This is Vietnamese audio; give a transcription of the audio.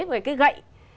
với cái gậy